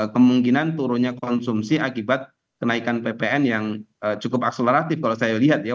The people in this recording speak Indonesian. kemungkinan turunnya konsumsi akibat kenaikan ppn yang cukup akseleratif kalau saya lihat ya